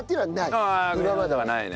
ああ今まではないね。